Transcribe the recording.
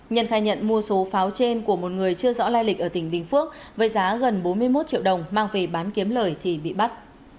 nhân khai nhận mua số pháo trên của một người chưa rõ lai lịch ở tỉnh bình phước với giá gần bốn mươi một triệu đồng mang về bán kiếm lời thì bị bắt